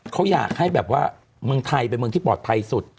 เขาอยากให้แบบว่าเมืองไทยเป็นเมืองที่ปลอดภัยสุด